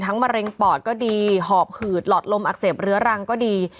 มะเร็งปอดก็ดีหอบหืดหลอดลมอักเสบเรื้อรังก็ดี